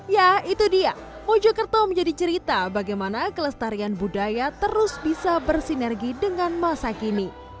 ya itu dia mojokerto menjadi cerita bagaimana kelestarian budaya terus bisa bersinergi dengan masa kini